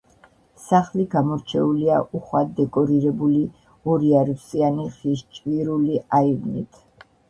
სახლი გამორჩეულია უხვად დეკორირებული ორიარუსიანი ხის ჭვირული აივნით.